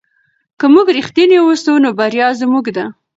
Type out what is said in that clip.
که موږ رښتیني اوسو نو بریا زموږ ده.